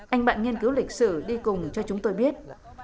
anh bạn nghiên cứu lịch sử đi cùng cho chúng tôi biết